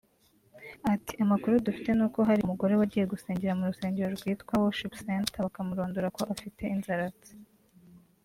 Ati “ Amakuru dufite n’uko hari umugore wagiye gusengera mu rusengero rwitwa “ Worship Center” bakamurondora ko afite inzaratsi